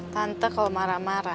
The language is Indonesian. tante kalau marah marah